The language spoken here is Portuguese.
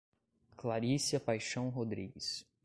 Claricia Paixao Rodrigues